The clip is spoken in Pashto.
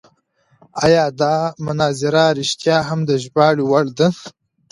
ایا دا مناظره رښتیا هم د ژباړې وړ ده؟